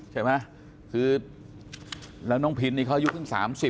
ใช่ไหมแล้วน้องพินทร์พินทร์ของอายุขึ้น๓๐อ่ะ